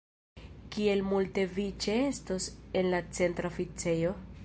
Kiel multe vi ĉeestos en la Centra Oficejo?